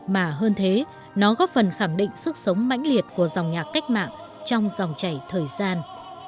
mà hơn thế nó góp phần khẳng định sức khỏe của đất nước việt nam